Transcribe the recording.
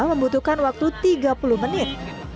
membutuhkan waktu tiga puluh menit